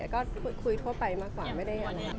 ก็คุยทั่วไปมากกว่าไม่ได้ยัง